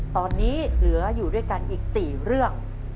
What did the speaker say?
ตอนนี้เหลืออยู่ด้วยกันอีก๔เรื่อง